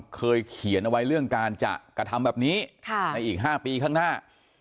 เขียนเอาไว้เรื่องการจะกระทำแบบนี้ในอีก๕ปีข้างหน้า